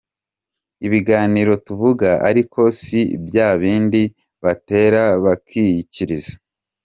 Ibiganiro tuvuga aliko si bya bindi batera bakiyikiriza.